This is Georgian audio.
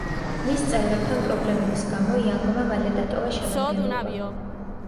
მის წევრებთან პრობლემების გამო, იანგმა მალე დატოვა შემადგენლობა.